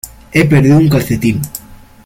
He perdido un calcetín.